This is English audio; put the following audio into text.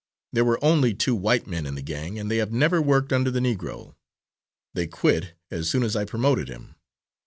There were only two white men in the gang, and they have never worked under the Negro; they quit as soon as I promoted him.